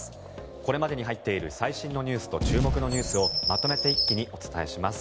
これまでに入っている最新ニュースと注目ニュースをまとめて一気にお伝えします。